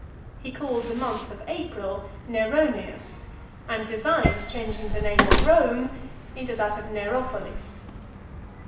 He called the month of April, Neroneus, and designed changing the name of Rome into that of Neropolis.